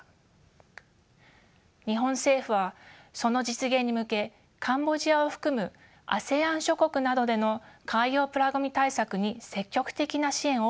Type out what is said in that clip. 日本政府はその実現に向けカンボジアを含むＡＳＥＡＮ諸国などでの海洋プラごみ対策に積極的な支援を行ってきました。